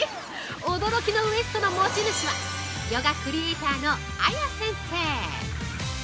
驚きのウエストの持ち主はヨガクリエーターのａｙａ先生。